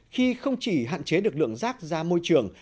khi không chỉ hạn chế được lượng rác ra môi trường